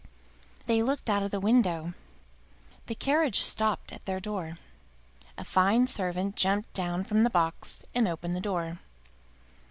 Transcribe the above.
They looked out of the window; the carriage stopped at their door, a fine servant jumped down from the box and opened the door.